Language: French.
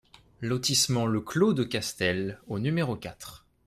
Lotissement Le Clos de Castel au numéro quatre